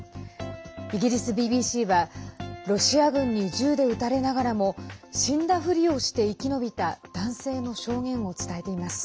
イギリスＢＢＣはロシア軍に銃で撃たれながらも死んだふりをして生き延びた男性の証言を伝えています。